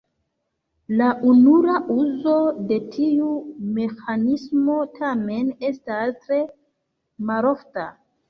La nura uzo de tiu meĥanismo tamen estas tre malofta.